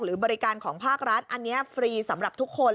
บริการของภาครัฐอันนี้ฟรีสำหรับทุกคน